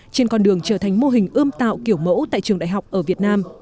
trên con đường trở thành mô hình ươm tạo kiểu mẫu tại trường đại học ở việt nam